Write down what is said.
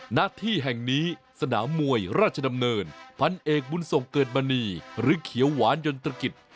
หน้าที่แห่งนี้สนามมวยราชดำเนินพันเอกบุญส่งเกิดมณีหรือเขียวหวานยนตรกิจ